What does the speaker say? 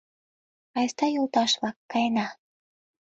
Айста, йолташ-влак, каена.